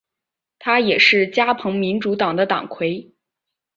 他同时也是加蓬民主党的党魁。